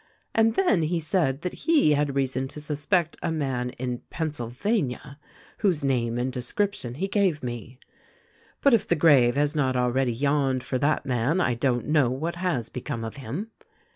And then he said that he had reason to suspect a man in Pennsylvania whose name and description he gave me. But if the grave has not already yawned for that man I don't know what has become of him.